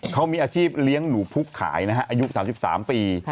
เขามีอาชีพเลี้ยงหนูพุกขายนะฮะอายุ๓๓ปี